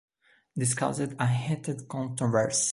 This caused a heated controversy.